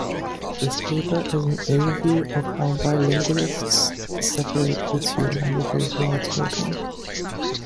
This paper is an overview of how bilinguals separate the two languages while talking.